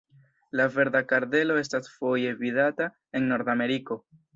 La Verda kardelo estas foje vidata en Nordameriko.